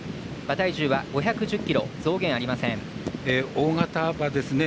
大型馬ですね。